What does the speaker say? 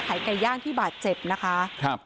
ขายไก่ย่างที่บาดเจ็บนะคะ